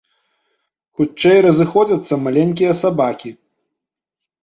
Хутчэй разыходзяцца маленькія сабакі.